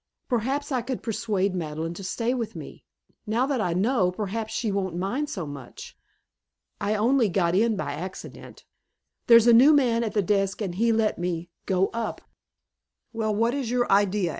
Perhaps I could persuade Madeleine to stay with me. Now that I know, perhaps she won't mind so much. I only got in by accident. There's a new man at the desk and he let me go up " "Well, what is your idea?"